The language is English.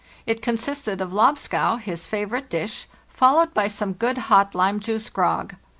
It consisted of lobscouse, his favorite dish, followed by some good hot lime juice grog.